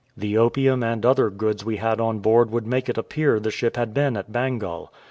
The opium and other goods we had on board would make it appear the ship had been at Bengal.